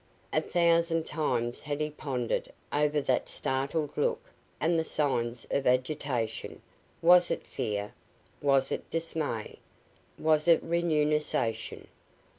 A thousand times had he pondered over that startled look and the signs of agitation. Was it fear? Was it dismay? Was it renunciation?